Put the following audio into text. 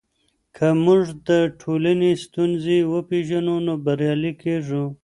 که موږ د ټولنې ستونزې وپېژنو نو بریالي کیږو.